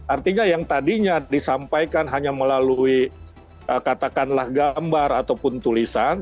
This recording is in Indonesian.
artinya yang tadinya disampaikan hanya melalui katakanlah gambar ataupun tulisan